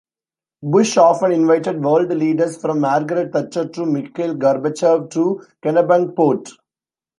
Bush often invited world leaders, from Margaret Thatcher to Mikhail Gorbachev, to Kennebunkport.